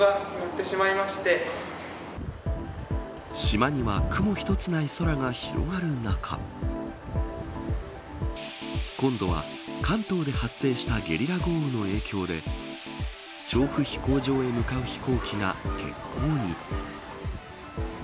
島には雲一つない空が広がる中今度は、関東で発生したゲリラ豪雨の影響で調布飛行場へ向かう飛行機が欠航に。